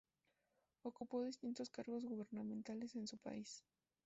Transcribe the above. Ocupó distintos cargos gubernamentales en su país.